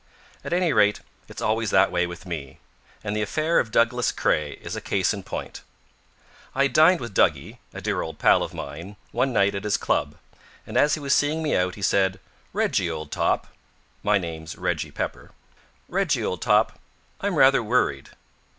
At any rate, it's always that way with me. And the affair of Douglas Craye is a case in point. I had dined with Duggie (a dear old pal of mine) one night at his club, and as he was seeing me out he said: "Reggie, old top" my name's Reggie Pepper "Reggie, old top, I'm rather worried."